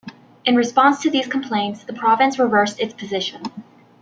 In response to these complaints, the province reversed its position.